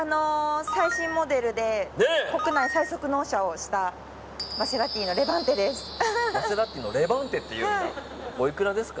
最新モデルで国内最速納車をしたマセラティのレヴァンテです。